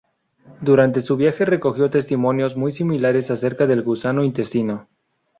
Durante su viaje recogió testimonios muy similares acerca del gusano-intestino.